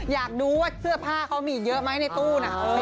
อยากดูว่าเสื้อผ้าเขามีเยอะไหมในตู้น่ะ